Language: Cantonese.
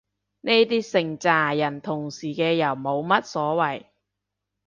呢啲成咋人同時嘅又冇乜所謂